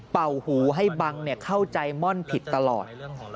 หูให้บังเข้าใจม่อนผิดตลอด